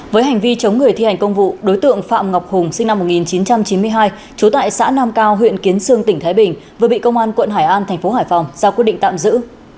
với hành vi chống người thi hành công vụ đối tượng phạm ngọc hùng sinh năm một nghìn chín trăm chín mươi hai trú tại xã nam cao huyện kiến sương tỉnh thái bình vừa bị công an quận hải an thành phố hải phòng giao quyết định tạm giữ